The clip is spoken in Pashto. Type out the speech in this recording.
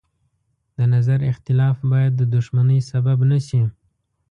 د نظر اختلاف باید د دښمنۍ سبب نه شي.